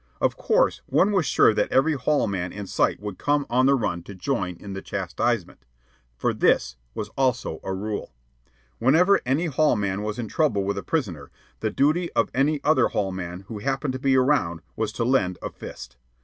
Of course, one was sure that every hall man in sight would come on the run to join in the chastisement; for this also was a rule. Whenever any hall man was in trouble with a prisoner, the duty of any other hall man who happened to be around was to lend a fist.